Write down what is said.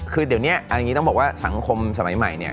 คือเดี๋ยวนี้อันนี้ต้องบอกว่าสังคมสมัยใหม่เนี่ย